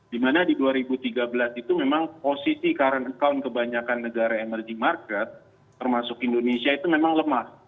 dimana di dua ribu tiga belas itu memang posisi current account kebanyakan negara emerging market termasuk indonesia itu memang lemah